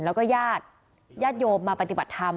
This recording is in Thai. แล้วก็ญาติญาติโยมมาปฏิบัติธรรม